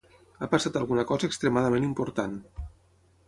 Ha passat alguna cosa extremadament important.